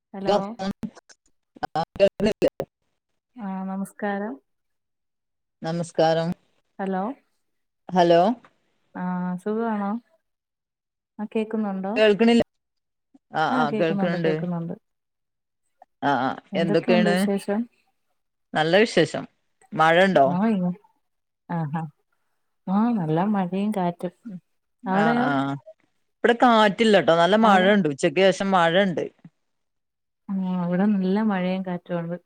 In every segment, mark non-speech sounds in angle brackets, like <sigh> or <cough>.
അഹ് ജ്ജ് ഒറങ്ങാ ആഹ് കേക്ക്ണ്ല്ലേ ആഹ് നമസ്കാരം നമസ്കാരം ഹലോ ഹലോ ആഹ് സുഖവാണോ ആഹ് കേക്കുന്നുണ്ടോ കേൾക്കണില്ല ആ ആ ആഹ് കേക്കുന്നുണ്ട് കേക്കുന്നുണ്ട് ആഹ് ആഹ് എന്തൊക്കെയുണ്ട് എന്തൊക്കെയാണ് വിശേഷം നല്ല വിശേഷം മഴണ്ടോ ആഹ് ഹാ ആഹ് നല്ല മഴയും കാറ്റും ആഹ് അവിടെയോ ആഹ് ഇവിടെ കാറ്റില്ലട്ടോ നല്ല അവിടെ മഴയുണ്ട് ഉച്ചക്ക് ശേഷം മഴ ഉണ്ട് ആഹ് അവിടെ നല്ല മഴയും കാറ്റും ആണ്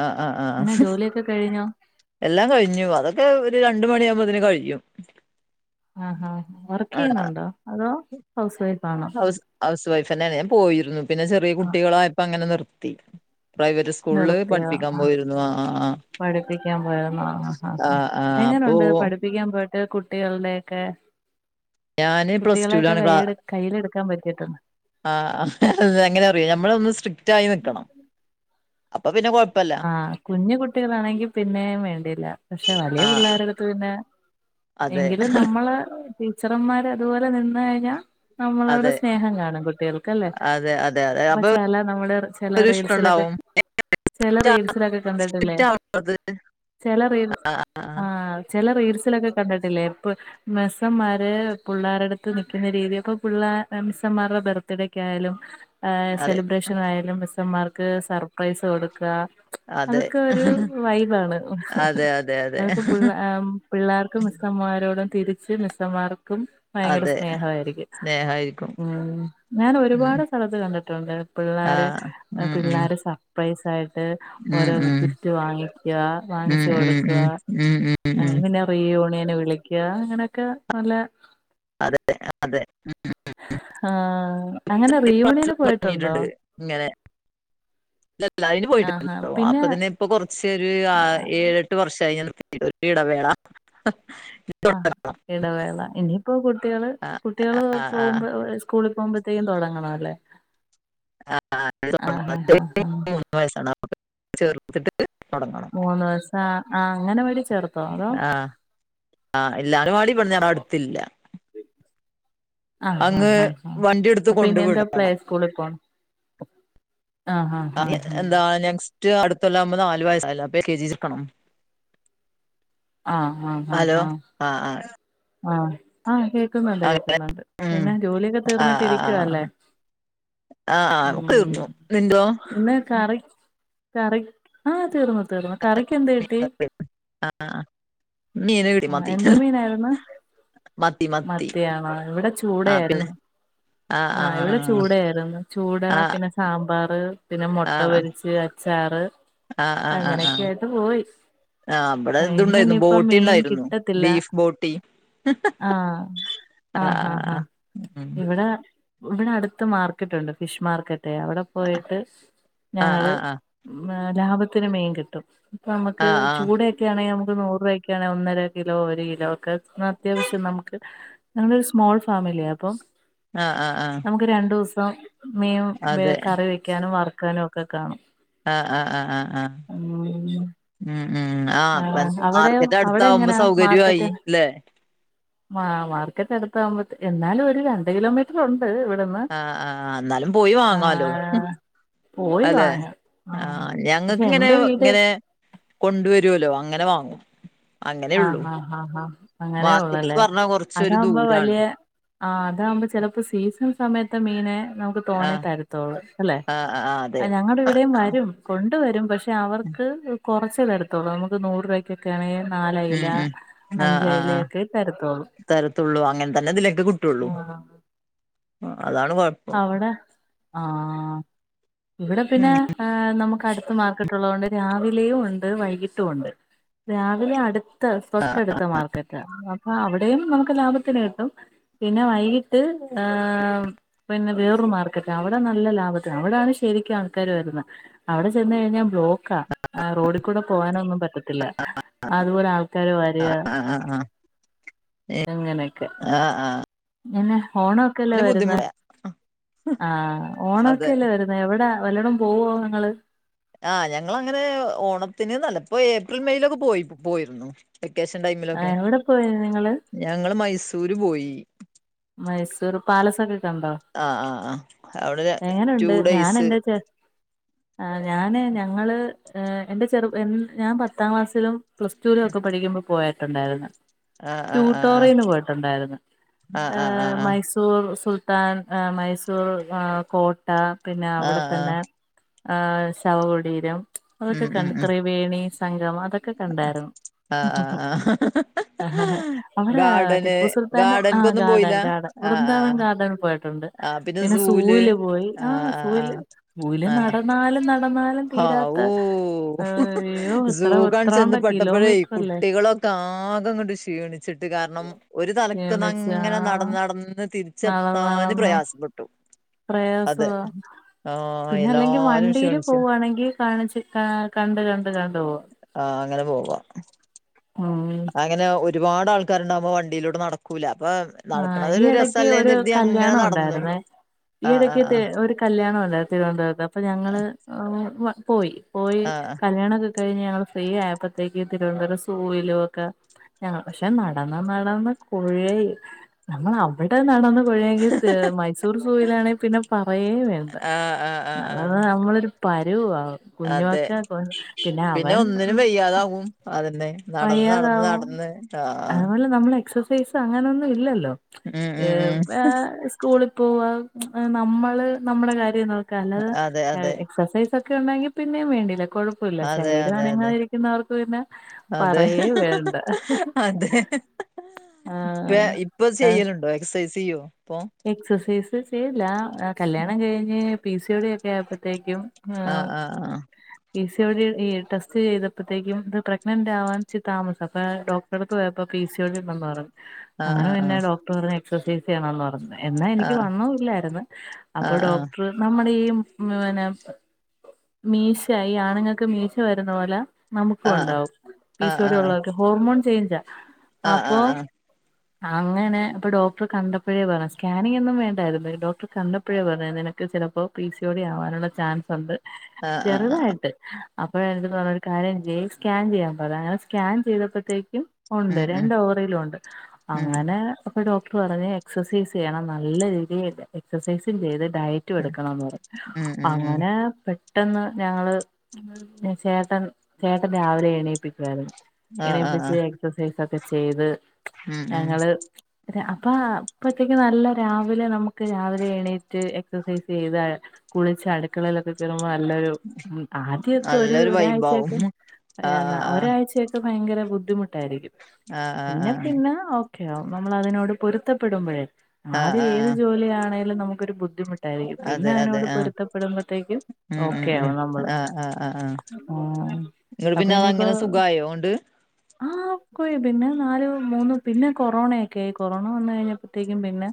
ആ ആ ആ എങ്ങനെ ജോലിയൊക്കെ കഴിഞ്ഞോ എല്ലാം കഴിഞ്ഞു അതൊക്കെ ഒരു രണ്ട് മണിയാകുമ്പോതിന് കഴിയും ആഹാ വർക്ക് ആ ചെയ്യുന്നുണ്ടോ അതോ ഹൗസ് വൈഫ് ആണോ? ഹൗസ് ഹൗസ് വൈഫ് തന്നെണ് ഞാൻ പോയിരുന്നു പിന്നെ ചെറിയ ആ കുട്ടികളായപ്പോ അങ്ങനെ നിർത്തി പ്രൈവറ്റ് സ്കൂളില്- അതെയോ പഠിപ്പിക്കാൻ പോയിരുന്നു ആ ആ പഠിപ്പിക്കാൻ പോയ ണ ആഹ് ആ എങ്ങനെയുണ്ട് പടി- പ്പിക്കാൻ പോയിട്ട് കുട്ടികളുടെയോക്കെ ഞാന് പ്ലസ് കുട്ടികളെക്കെ ടുലാണ് കൈ കയ്യിലെടുക്കാൻ പറ്റിട്ടുണ്ടോ ആ എങ്ങനെ അറിയോ നമ്മള് ഒന്ന് സ്ട്രിക്റ്റ് ആയി നിൽക്കണം അപ്പൊ പിന്നെ കുഴപ്പ- ആ കുഞ്ഞു കുട്ടികളാണെങ്കി പിന്നേ വേണ്ടിയില്ല പക്ഷെ വലിയ ആഹ് പിള്ളേരുടുത്ത് പിന്നെ- അതെ എങ്കിലും നമ്മള് ടീച്ചർന്മാര് അതുപോലെ നിന്ന് കഴിഞ്ഞാ നമ്മളോട് അതെ സ്നേഹം കാണും കുട്ടികൾക്കല്ലേ അതെ അതെ അതെ ഇപ്പൊ അപ്പൊ ചില നമ്മുടെ ചില ഒരു റീൽസിലൊക്കെ- ഇഷ്ടണ്ടാവും ചില റീൽസിലൊക്കെ കണ്ടിട്ടില്ലേ സ്ട്രിക്റ്റ് ആവണത് ചില റീൽസ് ആഹ് ആഹ് ആ ചില റീൽസിലൊക്കെ കണ്ടിട്ടില്ലേ ഇപ്പ മിസ്സന്മാർ പിള്ളേരുടുത്ത് നിൽക്കുന്ന രീതി ഒക്കെ മിസ്സന്മാരുടെ ബർത്ത്ഡേയ്ക്ക് ആയാലും അതെ സെലിബ്രേഷൻ ആയാലും മിസ്സന്മാർക്ക് സർപ്രൈസ് കൊടുക്കുക അതെ അതൊക്കെ ഒരു വൈബാണ് അതെ അതെ അതെ അതൊക്കെ പിള്ള പിള്ളേർക്കും മിസ്സമാരോടും തിരിച്ച് മിസ്സമാർക്കും ഭയങ്കര അതെ സ്നേഹമായിരിക്കും സ്നേഹായിരിക്കും ഉം ഞാൻ ഉം ഒരുപാട് സ്ഥലത്ത് കണ്ടിട്ടുണ്ട് പിള്ളേർ ആഹ് ഉം ഉം പിള്ളേര് സർപ്രൈസ് ആയിട്ട് ഉം ഓരോ ഉം ഗിഫറ്റ് വാങ്ങിക്ക ഉം വാങ്ങിച്ച് ഉം കൊടുക്ക ഉം ഉം ഉം ഉം പിന്നെ റി യൂണിയൻ വിളിക്കുക അങ്ങനെയൊക്കെ നല്ല അതെ അതെ ആ അങ്ങനെ റ ഒരു ക്ലാസ്സിൽ റീയൂണീന് പോയിട്ടുണ്ടോ തുടങ്ങിയിട്ടുണ്ട് ഇങ്ങനെ ഇല്ല അതിന് ആഹാ പോയിട്ടുണ്ടല്ലോ പിന്നെ അപ്പൊ തന്നെ ഇപ്പൊ കുറച്ച് പേര് ഏഴ് എട്ടു വർഷമായി ഒരു ഇടവേള ആ തുടങ്ങണം. ഇടവേള ഇനിയിപ്പോ കുട്ടികൾ ആഹ് കുട്ടികൾ ആഹ് ആഹ് പോവുമ്പോൾ സകൂളിൽ പോകുമ്പോത്തേക്കും തുടങ്ങണമല്ലേ ആഹ് ആ തുടങ്ങണം ചെറിയ ആ വയസ്സാണ് ന്നാ ചേർത്ട്ട്ട്ട് തൊടങ്ങണം മൂന്ന് ദിവസ ആ അംഗൻവാടി ചേർത്തോ അതോ ആഹ് ആഹ് എല്ലാരും വളി പ്ട്ന്നാ ഞങ്ങളട്ത്തില്ല <inaudible> ആ ആ അങ്ങ് ആ വണ്ടി എടുത്ത് അപ്പൊ കൊണ്ട് ഇന്ന് എന്താ പ്ലേ വിടണം സ്കൂളിൽ പോണോ ആ ആ ആ ഉം അടുത്ത കൊല്ലയാവുമ്പോ നാല് വയസായില്ല അപ്പൊ എൽക ജി ഇരുത്തണം ആഹ് ആഹ് ഹലോ ആ ആഹ് ആഹ് ആ ആ കേൾക്കുന്നുണ്ട് ആഹ് കേൾക്കുന്നുണ്ട് ഉം പിന്നെ ജോലിയൊക്കെ ആഹ് തീർന്നിട്ട് ഇരിക്കുവാ അല്ലേ ആഹ് ആഹ് ആഹ് ഒക്കെ ഉം തീർന്നു നിന്റോ പിന്നെ കറി കറി ആ തീർന്നു തീർന്നു കറിയ്ക്ക് എന്ത് കിട്ടി ആഹ് ആഹ് മീന് കിട്ടി ആ മത്തി എന്ത് മീനായിരുന്നു മത്തി മത്തി മത്തിയാണോ ഇവിടെ ആഹ് പിന്നെ ചൂടയായിരുന്നു ആഹ് ആ ഇവിടെ ആഹ് ചൂടയായിരുന്നു ചൂടാ ആഹ് പിന്നെ സാമ്പാർ പിന്നെ മുട്ട ആഹ് പൊരിച്ച് അച്ചാർ ആഹ് ആഹ് ആഹ് അങ്ങനെയൊക്കെ ആഹ് ആയിട്ട് പോയി ആഹ് ഇവിടെ ആ ഇന്ന് ഇതുണ്ടായിരുന്നു ഇനിയിപ്പോ ബോട്ടി മീൻ ഉണ്ടായിരുന്നു കിട്ടത്തില്ല ബീഫ് ബോട്ടി ആ ആഹ് ആഹ് ഉം ഇവിടെ ഇവിടെ അടുത്ത് മാർക്കറ്റ് ഉണ്ട് ഫിഷ് മാർക്കറ്റ് അവിടെ പോയിട്ട് ഞങ്ങൾ ആഹ് ആഹ് ലാഭത്തിനു മീൻ കിട്ടും ഇപ്പ നമുക്ക് ആഹ് ആഹ് ചൂടൊക്കെ ആണെങ്കിൽ നമ്മുക്ക് നൂറ് രൂപയ്ക്കാണ് ഒന്നര കിലോ ഒരു കിലോ ഒക്കെ അത്യാവശ്യം നമുക്ക് നമ്മൾ ഒരു സ്മോൾ ഫാമിലിയാ അപ്പൊ ആഹ് ആഹ് ആഹ് നമുക്ക് രണ്ടു ദിവസം മീൻ വെ അതെ കറി വെക്കാനും വറക്കാനും ഒക്കെ കാണും. ആഹ് ആഹ് ആഹ് ആഹ് ഉം ഉം ഉം ആഹ് അപ്പൊ. അവിടെയോ മാർക്കറ്റ് അടുത്ത് അവിടെ ആവുമ്പോൾ എങ്ങനാ സൗകര്യമായി മാർക്കറ്റ് അല്ലെ. മാ മാർക്കറ്റ് അടുത്താവുമ്പോത്തേന് എന്നാലും ഒരു രണ്ട് കിലോമീറ്റർ. ഉണ്ട് ഇവിടുന്ന് ആഹ് ആഹ് എന്നാലും പോയി വാങ്ങാലോ? ആഹ് പോയി അല്ലെ വാങ്ങും ആഹ് പക്ഷെ ഞങ്ങൾക്ക് ഇങ്ങനെ എന്റെ വീട് ഇങ്ങനെ. കൊണ്ടുവരുല്ലോ അങ്ങനെ വാങ്ങും. അങ്ങനെയുള്ളൂ ആഹ് ആഹ് ആഹ് ആഹ് മാർക്കറ്റ്സ് അങ്ങനെയുള്ളല്ലേ പറഞ്ഞാ കൊറച്ചൊരു അതാകുമ്പോ ദൂരാണ് വലിയ. ആഹ് അതാകുമ്പോ ചിലപ്പോ സീസൺ സമയത്തെ മീന് നമുക്ക്. തോനെ ആഹ് തരത്തോളൂ അല്ലെ, ആഹ് ആഹ് അതെ ഞങ്ങളുടെ ആ, ഇവിടെയും ആ, വരും. കൊണ്ട് വരും പക്ഷെ അവർക്ക് കുറച്ച് തരത്തൊള്ളൂ, നമുക്ക് നൂറ് രൂപയ്ക്ക് ഒക്കെ ആണെങ്കിൽ. നാല് ഉം അയലാ. ഉം ആഹ് ആഹ് ആഹ് തരത്തുള്ളൂ അങ്ങനെ തന്നെ ഇതിലൊക്കെ കിട്ടുള്ളു. ആഹ് ആഹ് അതാണ് കുഴ അവിടെ ആഹ് ഇവിടെ പിന്നെ. ഉം ആഹ് നമുക്ക് അടുത്ത മാർക്കറ്റ് ഉള്ളതുകൊണ്ട് രാവിലെയും ഉണ്ട് വൈകിട്ടും ഉണ്ട്. രാവിലെ അടുത്ത് തൊട്ടടുത്ത് മാർക്കറ്റാ. അപ്പൊ അവിടെയും നമുക്ക് ലാഭത്തിന് കിട്ടും, പിന്നെ വൈകിട്ട് ഏഹ്. പിന്നെ വേറൊരു മാർക്കറ്റ് അവിടെ നല്ല ലാഭത്തിൽ ആണ്, അവിടെയാണ് ശരിക്കും ആൾക്കാർ വരുന്നത്. അവിടെ ചെന്ന് കഴിഞ്ഞാൽ ബ്ലോക്കാ ആഹ് റോഡിൽ കൂടെ പോകാന് ഒന്നും പറ്റി ത്തില്ല അതുപോലെ ആൾക്കാര് വരിക. ആഹ് ആഹ് ആഹ് അങ്ങനെയൊക്കെ ആഹ് ആഹ് ആഹ് പിന്നെ ഓണം ഒക്കെല്ലേ പിന്നെ വരുന്നേ. ബുദ്ധിമുട്ട് ആഹ് ഓണം അതെ ഒക്കെ അല്ലേ വരുന്നേ, എവിടാ വല്ലോടും പോവോ നിങ്ങള്? ആഹ് ഞങ്ങള് അങ്ങനെ ഓണത്തിന് അല്, ഇപ്പോ ഏപ്രിൽ മെയിലൊക്കെ പോയി പോയിരുന്നു. വെക്കേഷൻ ആ, ടൈമിലൊക്കെ എവിടെ പോയി നിങ്ങൾ ഞങ്ങള് മൈസൂര് പോയി. മൈസൂർ പാലസ് ഒക്കെ കണ്ടോ? ആഹ് ആഹ് ആഹ് അവിടെ ടു ഡേയ്സ്. ആഹ് ഞാന് ഞങ്ങള് ഏഹ് എന്റെ ചെറു ഞാൻ പത്താം ക്ലാസ്സിലും. പ്ലസ് ടൂവിലൊക്കെ പഠിക്കുമ്പോ പോയിട്ടുണ്ടായിരുന്നു ആഹ് ആഹ് ആഹ് ട്യൂട്ടോറീന് പോയിട്ടുണ്ടായിരുന്നു. ആഹ് ആഹ് ഏഹ് ആഹ് ആഹ് മൈസൂർ സുൽത്താൻ ഏഹ് മൈസൂർ ആഹ് കോട്ട. പിന്നെ ആഹ് ആഹ് ആഹ് അവിടെത്തന്നെ ശവകുടീരം, അതൊക്കെ ഉം ഉം കണ്ട് ഉം ഇത്രയും. വേണിസംഗമം അതൊക്കെ കണ്ടായിരുന്നു. ആഹ് ആഹ് ആഹ് അവിടെ ഗാർഡന് ടിപ്പു സുൽത്താന്റെ ആഹ്. ഗാർഡൻക്കൊന്നും ഗാഡൻ പോയില്ല ഗാഡൻ ആഹ് വൃന്ദാവൻ ആഹ് ഗാർഡറിൽ പോയിട്ടുണ്ട്. ആഹ് പിന്നെ സൂല് സൂവില് പോയി ആഹ് സൂവില് സൂവില് ആഹ് നടന്നാലും നടന്നാല്. ഹാവൂ സൂ എത്ര കാണിച്ചു എത്രാണ്ട ചെന്ന് പെട്ടപ്പോളേ കിലോമീറ്റർ അല്ലേ കുട്ടികളെ. ആകെ അങ്ങട്ട് ക്ഷീണിച്ചിട്ട് കാരണം ഒരു തലക്കന്ന് ക്ഷീണിച്ച് ആ അങ്ങനെ നടന്ന് നടന്ന് തിരിഞ്ഞ്. നടന്ന് <unintelligible> നടന്ന് പ്രയാസപ്പെട്ടു. അതെ പ്രയാസവാ ആഹ് പിന്നെ അല്ലെങ്കിൽ എല്ലാരും വണ്ടിയില് ക്ഷീണിച്ചു പോവുവാണെങ്കിൽ കാണിച്ചിട്ട്. ആഹ് കണ്ടു കണ്ടു കണ്ടു പോകാം. ആഹ് അങ്ങനെ പോവാം. ഉം അങ്ങനെ ഒരുപാട് ആൾക്കാരുണ്ടാവുമ്പോ വണ്ടിയിലോട്ട് നടക്കൂല അപ്പൊ. ആഹ് നടക്കണത് ഈ ഒരു ഇടയ്ക്ക് ഒരു രസല്ലേന്ന് കരുതി അങ്ങനെ കല്യാണം നടന്നു ഉണ്ടായിരുന്നേ, ഈ ആഹ് ഇടയ്ക്കത്തെ ആഹ് ഒരു. കല്യാണം ഉണ്ടായിരുന്നു തിരുവനന്തപുരത്ത്, അപ്പൊ ഞങ്ങള് ഏഹ് പോയി പോയി ആഹ് കല്യാണം ഒക്കെ. കഴിഞ്ഞ് ഞങ്ങൾ ഫ്രീ ആയിപ്പോഴത്തേക്ക് തിരുവനന്തപുരം സൂവിലും ഒക്കെ. ഞങ്ങള് പക്ഷെ നടന്ന് നടന്ന് കുഴേ നമ്മള് അവിടെ നടന്ന്. കുഴേങ്കി തീർ മൈസൂർ സൂവിലാണെങ്കിൽ പിന്നെ പറയേ വേണ്ട ആഹ് ആഹ് ആഹ് ആഹ് നടന്ന് ആഹ് നമ്മളൊരു പരുവാകും അതെ കുഞ്ഞുവൊക്കെ പിന്നെ അവൻ യ്യാതാവും അതന്നെ നടന്ന് നടന്ന് വയ്യാതാവും നടന്ന് ആഹ് അതുപോലെ നമ്മൾ എക്സസൈസ് അങ്ങനെയൊന്നും ഇല്ലല്ലോ ഉം ഉം ഏഹ് ഉം പ്പാ സ്കൂളിൽ പോവാനമ്മള് നമ്മുടെ കാര്യം നോക്ക അല്ലാതെ അതെ അതെ എക്സസൈസ് ഒ ക്കെ ഉണ്ടെങ്കിൽ പിന്നെയും വേണ്ടില്ല കൊഴപ്പവില്ല അതെ ശരീരം അതെ അതെ അനങ്ങാതിരിക്കുന്നവർക്ക് പിന്നെ അതെ പറയേ വേണ്ട. അതെ ഇപ്പ ആഹ് ഇപ്പ ആഹ് ചെയ്യലുണ്ടോ എക്സസൈസ് ചെയ്യോ ഇപ്പൊ എക്സസൈസ് ചെയ്ല്ല കല്യാണം കഴിഞ്ഞ് P C D O D ഒക്കെ ആയപ്പോത്തേക്കും ആഹ് ആവൂ ആഹ് പി സി ഒ ഡി ഈ ടെസ്റ്റ് ചെയ്തപ്പോത്തേക്കും ഇത് പ്രഗ്നന്റ് ആവാൻ ഇച്ച് താമസം അപ്പ ഡോക് ടറെടുത്ത് പോയപ്പോ പി സി ഒ ടി ഉണ്ടന്ന് പറഞ്ഞു അങ്ങനെ പിന്നെ ആഹ് ഡോക്ടർ പറഞ് എക്സസൈസ് ചെയ്യണന്ന് പറഞ്ഞു. എന്നാ എനിക്കി ആഹ് വണ്ണോല്ലായിര്ന്ന് അപ്പൊ ആഹ് ഡോക്ടർ നമ്മുടീം ഈ ആ പിന്ന മീശ ഈ ആണുങ്ങൾക്ക് മീശ വരുന്ന പോലെ നമുക്കും ആഹ് ഉണ്ടാവും ആഹ് ആഹ് പീസോഡി ഉള്ളവർക്കോക്കെ ഹോർമോൺ ചെയ്ഞ്ച അപ്പൊ ആഹ് അങ്ങനെ അപ്പൊ ഡോക്ടർ കണ്ടപ്പോഴേ പറഞ്ഞ് സ്കാനിങ്ങൊന്നും വേണ്ടാര്ന്ന് ഡോക്ടർ കണ്ടപ്പഴേ പറഞ്ഞ് നിനക്ക് ചെലപ്പോ പി സി ഒ ഡി ആവാനുള്ള ചാൻസ് ഉണ്ട് ആഹ് ആഹ് ആഹ് ചെറ്തായിട്ട് അപ്പോഴേ എന്റെടുത്ത് പറഞ്ഞ് ഒരു കാര്യം ചെയ്യ് സ്കാൻ ചെയ്യാൻ പറ സ്കാൻ ചെയ്തപ്പത്തേക്കും ഉണ്ട് ഉം ഉം രണ്ട് ഓവറിയിലും ഉണ്ട് ഉം അങ്ങനെ അപ്പ ഡോക്ടർ പറഞ്ഞ് എക്സസൈസ് ചെയ്യണം നല്ല രീതിയിൽ എക്സസൈസും ചെയ്ത് ഡയറ്റ് റ്റു ഉം എടുക്കണംന്ന് പറഞ്ഞു ഉം ഉം ഉം അങ്ങനെ പെ പെട്ടെന്ന് ഞങ്ങള് ചേട്ടൻ ചേട്ടൻ രാവിലെ എണീപ്പിക്കുവായിരുന്ന് ആഹ് ആഹ് എണീപ്പിച്ച് ആഹ് എക്സസൈസ് ഒക്കെ ചെയ്ത് ഉം ഉം ഞങ്ങള് അപ്പ <unintelligible> നല്ല രാവിലെ നമുക്ക് രാവിലെ എണീറ്റ് എക്സസൈസ് ചെയ്ത കുളിച്ച് അടുക്കളയിലൊക്കെ കേറുമ്പോ നല്ലൊരു ആദ്യൊക്കാ ഒരു നല്ലൊരു വൈബാവും ഒരാഴ്ചക്കെ ആഹ് ആഹ് ഒരാഴ്ച്ച ഭയങ്കര ബുദ്ധിമുട്ടായിരിക്കും ആഹ് പിന്നെ ആഹ് പിന്നെ ഒ നമ്മൾ അതിനോട് പൊരുത്തപ്പെടുമ്പോഴേ ആഹ് ആദ്യ ആഹ് ഏത് ആഹ് ജോലി ആണേലും നമുക്കൊരു ബു ഇതായിരിക്കും പിന്നെ അതെ അതെ അതിനോട് ആഹ് പൊരുത്തപ്പെടുമ്പോഴത്തേക്കും ഉം ഉം ഓക്കെ ഉം ആവും നമ്മള് ഉം നിങ്ങള് പിന്നെ അത് അങ്ങനെ സുഖായൊണ്ട് ആഹ് കൊയ് പിന്നെ നാല് മൂന്ന് പിന്നെ കൊറോണെക്കെ ആയി കൊറോണ വന്ന് കഴിഞ്ഞപ്പ പിന്നെ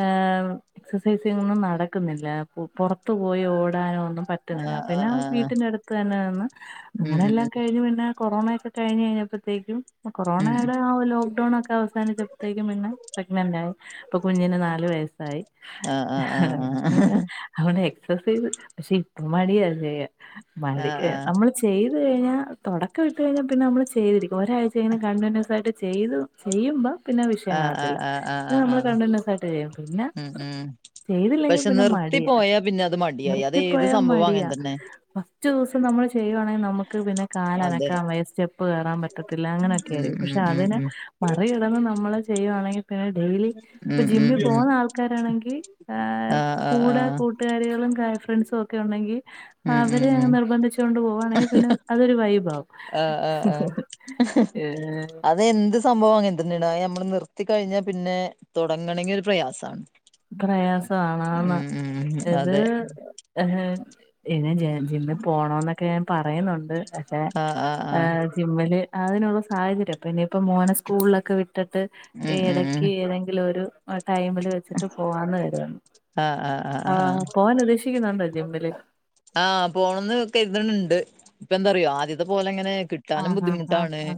ഏഹ് എക്സസൈസോന്നും നടക്കുന്നില്ല പു പൊറത്തു പോയി ഓടാനോ ഒന്നും പ ട്ട് ഇങ്ങനാ ആഹ് പിന്നെ ആഹ് ആഹ് വീട്ടിന്റെ അടുത്ത് തന്നെ വന്ന് ഉം അങ്ങനെ ഉം എല്ലാം കഴിഞ്ഞ് പിന്നെ കൊറോണെക്കെ കഴിഞ്ഞ് കഴിഞ്ഞപ്പോത്തേക്കും ഉം കൊറോണയുടെ ആ ലോക്ക്ഡൗണോക്കെ അവസാനിച്ചപ്പോത്തേക്കും പിന്നെ ഇപ്പ കുഞ്ഞന് നാല് വയസായി ആഹ് ആഹ് ആഹ് അവന് എക്സസൈസ് പക്ഷെ ഇപ്പ മടിയാ ചെയ്യാൻ ആഹ് മടിക് ആഹ് നമ്മള് ചെയ്ത് കഴിഞ്ഞാ തുടക്കം ഇട്ട് കഴിഞ്ഞാ പിന്നെ നമ്മള് ചെയ്തിരിക്കും ഒരാഴ്ച ഇങ്ങനെ കണ്ടിന്യൂസ് ആയിട്ട് ചെയ്തു ചെയ്യുമ്പോ പിന്നെ വിഷയം ആഹ് ആഹ് കാണത്തില്ല ആഹ് ആഹ് പി ആഹ് നമ്മള് ആഹ് കണ്ടിന്യൂസ് ആയിട്ട് ചെയ്യും പിന്നെ ഉം ഉം ചെയ്തില്ലെങ്കിൽ പക്ഷെ പിന്നെ നിർത്തി മടിയാ പോയാ പിന്നെ അത് മടിയായി അത് ഏത് നിർത്തിപ്പോയാ സംഭവം മടിയാ അങ്ങനെ തന്നെ ഫസ്റ്റ് ദിവസം നമ്മൾ ചെയ്യുവാണെങ്കിൽ നമുക്ക് പിന്നെ കാല് അതെ അനക്കാൻ വയ്യാ സ്റ്റെപ്പ് കയറാൻ പറ്റത്തില്ല അങ്ങനെയൊക്കെ ഉം ഉം പക്ഷെ ഉം അതിനന് ഉം മറികടന്ന് നമ്മള് ചെയ്യുയാണെങ്കിൽ ഡെയിലി ഇപ്പ ഉം ഉം ജിമ്മിൽ ഉം പോകുന്ന ആൾക്കാരാണെങ്കിൽ ആഹ് ആഹ് കൂടെ കു- ആഹ് കൂട്ടുകാരികളും ഗേൾ ഫ്രണ്ട്സുവൊക്കെ ഉണ്ടങ്കി ഉം ഉം അവര് ഉം നിർബന്ധിച്ചു കൊണ്ട് പോകുവാണെങ്കിൽ പിന്നെ അതൊരു വൈബാവും ആഹ് ആഹ് ആഹ് ഉം അത് എന്ത് സംഭവം അങ്ങനെ തന്നെണ് ഞമ്മള് നിർത്തി കഴിഞ്ഞാൽ പിന്നെ തുടങ്ങണങ്കിൽ ഒരു പ്രയസാണ് പ്രയാസം ആണന്ന് ഇത് അതെ ഇനി ജ് ജിമ്മിൽ പോണോന്നൊക്കെ ഞാൻ പറയുന്നുണ്ട് പക്ഷെ ആഹ് ആഹ് ആഹ് ഈഹ് ജിമ്മില് അതിനുള്ള സാഹചര്യം അപ്പം ഇനിപ്പം മോനെ സ്കൂളിലൊക്കെ വി ഇട്ടിട്ട് ഉം ഉം ഉം ഇടക്ക് ഏതെങ്കിലും ഒരു ടൈമില് വെച്ചിട്ട് പോവാന്ന് കരുതണ് ആഹ് ആഹ് ആഹ് പോവാൻ ഉദ്ദേശിക്കുന്നുണ്ടോ ജിമ്മില് ആഹ് പോണംന്ന് വക്കണ്തണിണ്ട് ഇപ്പ എന്താറിയോ ആദ്യത്തെ പോലെ എങ്ങനെ കിട്ടു ത്താനും ആഹ് ആഹ് ആഹ് ബുദ്ധിമുട്ടാണ് ആഹ്